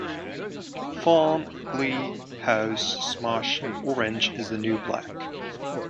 Farm", "Glee", "House", "Smash", and "Orange Is the New Black".